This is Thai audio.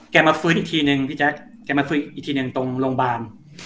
มาฟื้นอีกทีนึงพี่แจ๊คแกมาฟื้นอีกทีหนึ่งตรงโรงพยาบาล